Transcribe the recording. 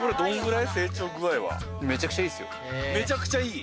めちゃくちゃいい。